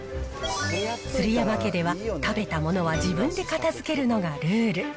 鶴山家では、食べたものは自分で片づけるのがルール。